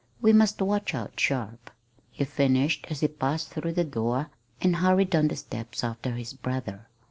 We must watch out sharp," he finished as he passed through the door, and hurried down the steps after his brother.